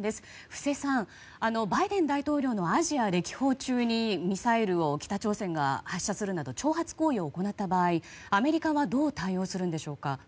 布施さん、バイデン大統領のアジア歴訪中にミサイルを北朝鮮が発射するなど挑発行為を行った場合アメリカはどう対応するんでしょうか。